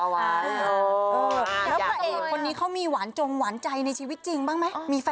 แล้วพระเอกคนนี้เขามีหวานจงหวานใจในชีวิตจริงบ้างไหม